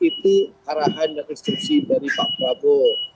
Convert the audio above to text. itu arahan dan instruksi dari pak prabowo